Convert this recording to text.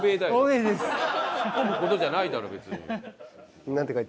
ツッコむ事じゃないだろ別に。